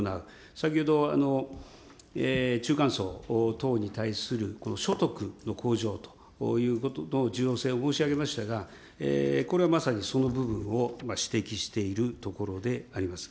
先ほど、中間層等に対する所得の向上ということの重要性を申し上げましたが、これはまさにその部分を指摘しているところであります。